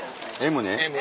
Ｍね。